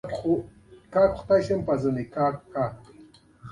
ښایسته ښکلی مخ بدرنګ شی چی ځوانی تیره شی.